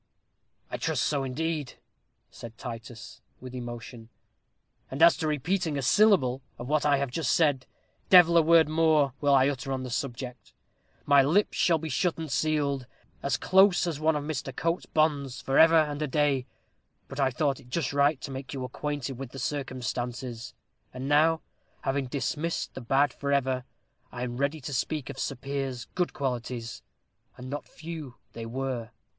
"I trust so, indeed," said Titus, with emotion; "and as to repeating a syllable of what I have just said, devil a word more will I utter on the subject. My lips shall be shut and sealed, as close as one of Mr. Coates's bonds, for ever and a day: but I thought it just right to make you acquainted with the circumstances. And now, having dismissed the bad for ever, I am ready to speak of Sir Piers's good qualities, and not few they were.